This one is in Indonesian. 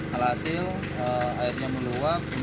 hal hasil airnya meluap